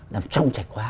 nằm trong trạch khóa